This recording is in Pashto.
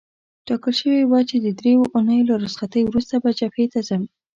ټاکل شوې وه چې د دریو اونیو له رخصتۍ وروسته به جبهې ته ځم.